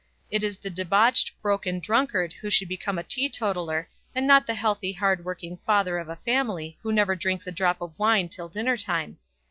It is the debauched broken drunkard who should become a teetotaller, and not the healthy hard working father of a family who never drinks a drop of wine till dinner time.